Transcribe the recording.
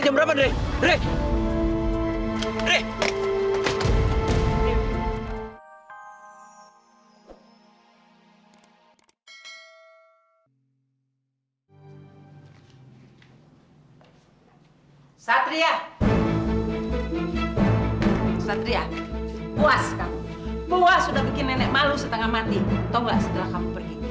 satria puas kamu puas sudah bikin nenek malu setengah mati tau nggak setelah kamu pergi